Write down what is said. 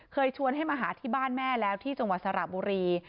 ชวนให้มาหาที่บ้านแม่แล้วที่จังหวัดสระบุรี